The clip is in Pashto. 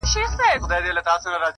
عقلمن انسان د احساساتو بندي نه وي؛